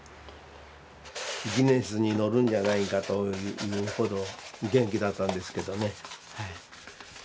ギネスに載るんじゃないかというほど元気だったんですけどね。